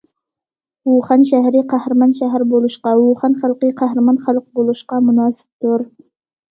ۋۇخەن شەھىرى قەھرىمان شەھەر بولۇشقا، ۋۇخەن خەلقى قەھرىمان خەلق بولۇشقا مۇناسىپتۇر.